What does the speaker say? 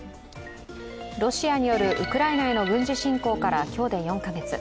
ロシアによるウクライナへの軍事侵攻から今日で４カ月。